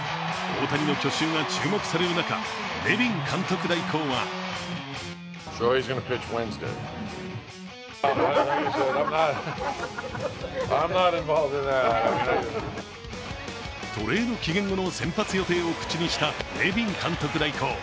大谷の去就が注目される中、ネビン監督代行はトレード期限後の先発予定を口にしたネビン監督代行。